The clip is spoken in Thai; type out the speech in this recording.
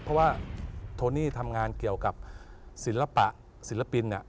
เพราะว่าโทนี่ทำงานเกี่ยวกับศิลปะศิลปิน